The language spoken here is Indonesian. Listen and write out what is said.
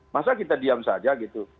masa kita diam saja gitu